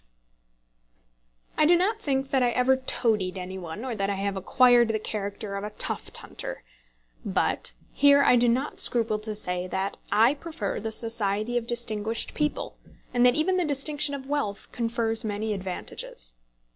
I do not think that I ever toadied any one, or that I have acquired the character of a tuft hunter. But here I do not scruple to say that I prefer the society of distinguished people, and that even the distinction of wealth confers many advantages.